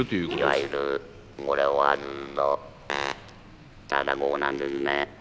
「いわゆるこれはただこうなんですね。